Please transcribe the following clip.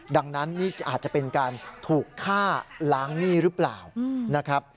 ดังนั้นนี่อาจจะเป็นการถูกฆ่าล้างหนี้หรือเปล่านะครับ